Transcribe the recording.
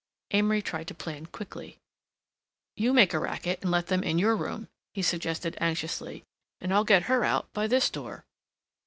Amory tried to plan quickly. "You make a racket and let them in your room," he suggested anxiously, "and I'll get her out by this door."